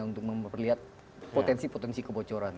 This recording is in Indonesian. untuk memperlihat potensi potensi kebocoran